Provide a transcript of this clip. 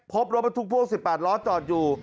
พบรถบรรทุกพ่วง๑๘ล้อจอดอยู่